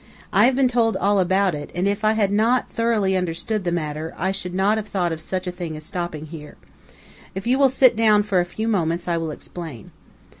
I have been told all about it, and if I had not thoroughly understood the matter I should not have thought of such a thing as stopping here. If you will sit down for a few moments I will explain."